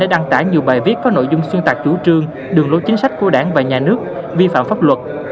đăng tải nhiều bài viết có nội dung xuyên tạc chủ trương đường lối chính sách của đảng và nhà nước vi phạm pháp luật